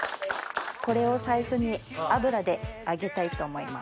これを最初に油で揚げたいと思います。